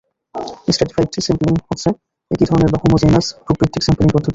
Stratified sampling হচ্ছে একই ধরনের বা হোমোজেনাস গ্রুপ ভিত্তিক স্যাম্পলিংপদ্ধতি।